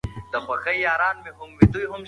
ثمرګل وویل چې هر انسان باید په خپل کار کې مخلص وي.